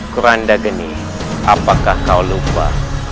kurandagini apakah kau lupa